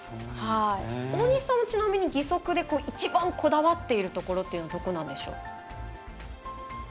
大西さんは義足で一番こだわっているところというのはどこなんでしょうか？